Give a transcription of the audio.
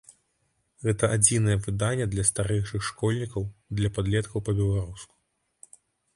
Гэта адзінае выданне для старэйшых школьнікаў, для падлеткаў па-беларуску.